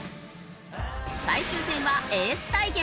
最終戦はエース対決。